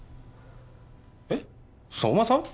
えっ相馬さん？